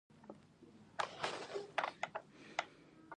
یو مشهور کاهن یې ښه مثال دی.